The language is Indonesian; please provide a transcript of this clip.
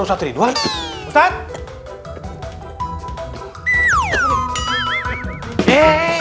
dengan senang hati